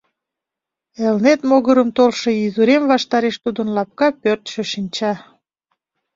Элнет могырым толшо изурем ваштареш тудын лапка пӧртшӧ шинча.